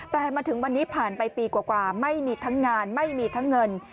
แต่มาถึงวันนี้ผ่านไปปีกว่าไม่มีทั้งงานไม่มีทั้งเงิน